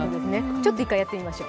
ちょっと１回やってみましょう。